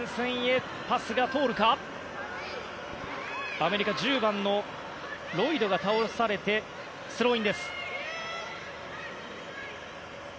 アメリカ１０番のロイドが倒されてスローインです。